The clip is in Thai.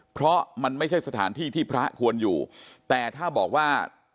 เพราะมันไม่ใช่สถานที่ที่พระควรอยู่แต่ถ้าบอกว่า